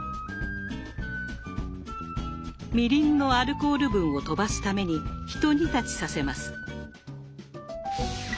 みりんのアルコール分を飛ばすためにひと煮立ちさせます。